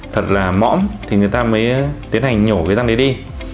thật là mõm thì người ta mới tiến hành nhổ cái răng đấy đi